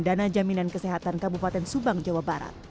dana jaminan kesehatan kabupaten subang jawa barat